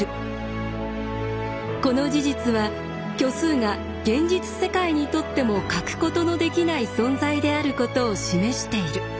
この事実は虚数が現実世界にとっても欠くことのできない存在であることを示している。